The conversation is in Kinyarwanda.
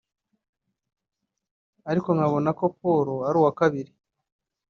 ariko nkabona ko Paul ari uwa kabiri